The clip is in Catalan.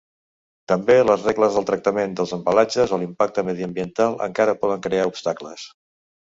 També les regles del tractament dels embalatges o l'impacte mediambiental encara poden crear obstacles.